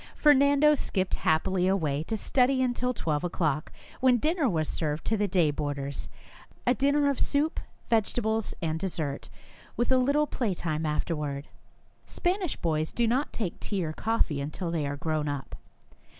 Fer nando skipped happily away to study until twelve o'clock, when dinner was served to the day boarders, a dinner of soup, vegetables, and dessert, with a little playtime afterward. Spanish boys do not take tea or coffee until they are grown up.